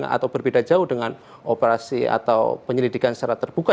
atau berbeda jauh dengan operasi atau penyelidikan secara terbuka